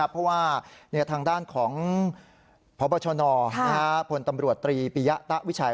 เพราะว่าทางด้านของพบชนพลตำรวจตรีปียะตะวิชัย